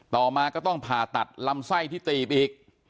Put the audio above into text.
ต่อมาก็ต้องผ่าตัดลำไส้ที่ตีบอีก